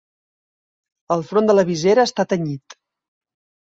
El front de la visera està tenyit.